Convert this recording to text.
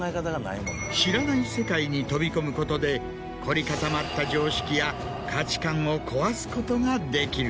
知らない世界に飛び込むことで凝り固まった常識や価値観を壊すことができる。